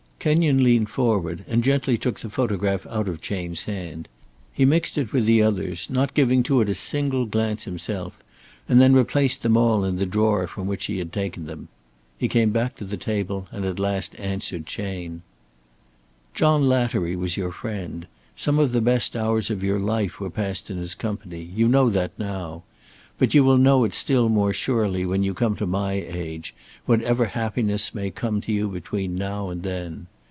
Kenyon leaned forward and gently took the photograph out of Chayne's hand. He mixed it with the others, not giving to it a single glance himself, and then replaced them all in the drawer from which he had taken them. He came back to the table and at last answered Chayne: "John Lattery was your friend. Some of the best hours of your life were passed in his company. You know that now. But you will know it still more surely when you come to my age, whatever happiness may come to you between now and then.